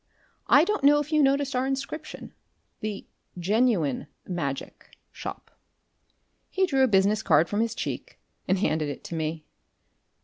I don't know if you noticed our inscription the Genuine Magic shop." He drew a business card from his cheek and handed it to me.